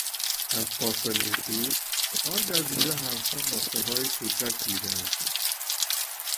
از فاصلهی دور آن جزایر همچون نقطههای کوچک دیده میشد.